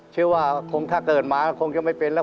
เชื่อว่าถ้าเกิดมาก็คงจะไม่เป็นแล้ว